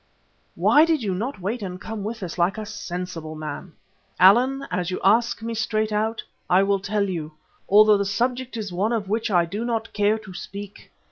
"Why did you not wait and come with us like a sensible man?" "Allan, as you ask me straight out, I will tell you, although the subject is one of which I do not care to speak.